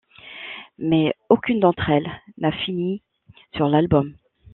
Mais, aucune d'entre elles n'a fini sur l'album.